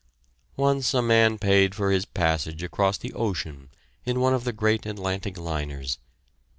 Once a man paid for his passage across the ocean in one of the great Atlantic liners.